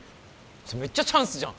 それめっちゃチャンスじゃん！